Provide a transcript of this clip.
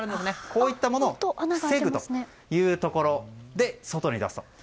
こういったものを防ぐというところで外に出すと。